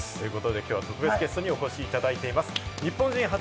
きょうは特別ゲストにお越しいただいています。